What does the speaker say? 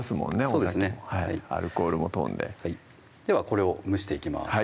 お酒もアルコールも飛んでではこれを蒸していきます